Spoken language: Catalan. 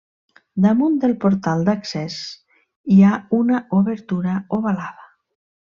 Damunt del portal d'accés hi ha una obertura ovalada.